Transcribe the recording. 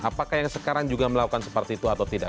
apakah yang sekarang juga melakukan seperti itu atau tidak